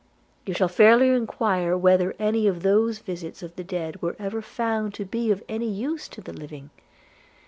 You shall fairly enquire whether any of those visits of the dead were ever found to be of any use to the living.